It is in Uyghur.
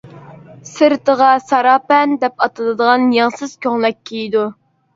سىرتىغا «ساراپان» دەپ ئاتىلىدىغان يەڭسىز كۆڭلەك كىيىدۇ.